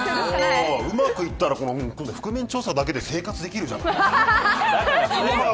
うまくいったら覆面調査だけで生活できるじゃん。